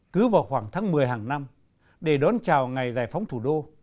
cứ vào khoảng tháng một mươi hàng năm để đón chào ngày giải phóng thủ đô